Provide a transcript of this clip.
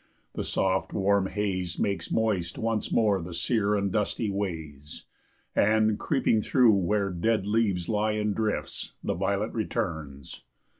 The soft, warm haze Makes moist once more the sere and dusty ways, And, creeping through where dead leaves lie in drifts, The violet returns.